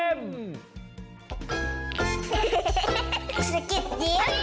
พี่รถสิบล้อนนี่อย่างกับนักดนตรงนักดนตรีที่อยู่บนเวที